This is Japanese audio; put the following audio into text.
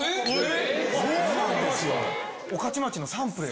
御徒町のサンプレイ。